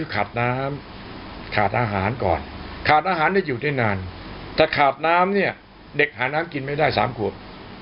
ขาดอาหารได้อยู่ได้นานถ้าขาดน้ำเนี่ยเด็กหาน้ำกินไม่ได้๓กว่า